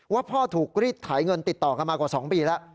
ว่าพ่อถูกรีดไถเงินติดต่อกันมากว่า๒ปีแล้ว